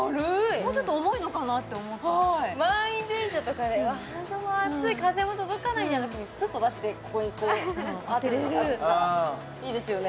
もうちょっと重いのかなってはい満員電車とかでうわ暑い風も届かないみたいなときにスッと出してここにこう当てたらいいですよね